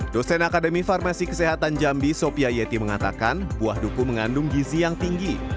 dosen akademi farmasi kesehatan jambi sopia yeti mengatakan buah duku mengandung gizi yang tinggi